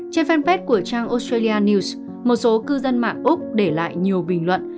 trên fanpage của trang australia news một số cư dân mạng úc để lại nhiều bình luận